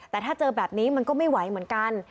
แต่ถ้าเจอแบบนี้มันก็ไม่ไหวเหมือนกัน